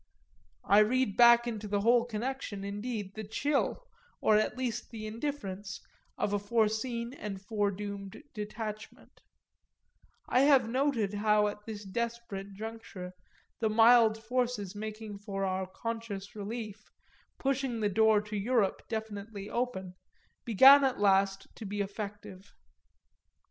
I read back into the whole connection indeed the chill, or at least the indifference, of a foreseen and foredoomed detachment: I have noted how at this desperate juncture the mild forces making for our conscious relief, pushing the door to Europe definitely open, began at last to be effective.